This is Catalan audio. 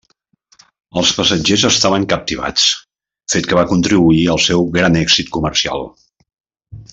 Els passatgers estaven captivats, fet que va contribuir al seu gran èxit comercial.